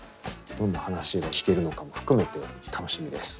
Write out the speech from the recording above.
どんな話が聞けるのかも含めて楽しみです。